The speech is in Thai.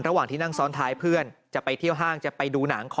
ระหว่างที่นั่งซ้อนท้ายเพื่อนจะไปเที่ยวห้างจะไปดูหนัง